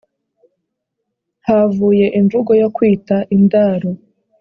havuye imvugo yo kwita indaro